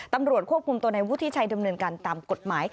ตำรวจควบคุมตัวในวุฒิชัยดำเนินการตามกฎหมาย